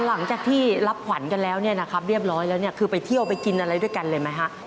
หลังจากที่รับขวัญกันแล้วเนี่ยนะครับเรียบร้อยแล้วเนี่ยคือไปเที่ยวไปกินอะไรด้วยกันเลยไหมฮะ